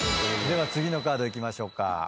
では次のカードいきましょうか。